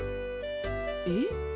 えっ？